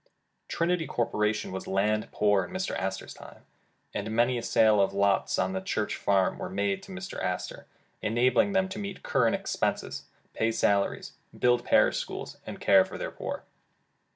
Trinity Corporation was land poor in Mr. Astor 's time, and many a sale of lots on the church farm were made to Mr. Astor, enabling them to meet current ex penses, pay salaries, build parish schools, and care for their poor.